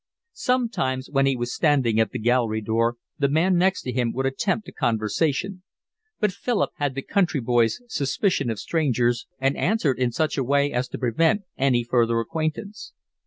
Sometimes when he was standing at the gallery door the man next to him would attempt a conversation; but Philip had the country boy's suspicion of strangers and answered in such a way as to prevent any further acquaintance.